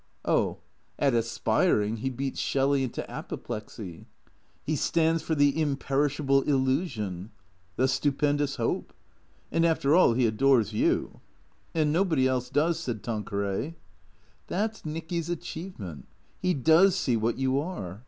" Oh, at aspiring he beats Shelley into apoplexy." " He stands for the imperishable illusion "" The stupendous hope "" And, after all, he adores you'' " And nobody else does," said Tanqueray. " That 's Nicky's achievement. He does see what you are.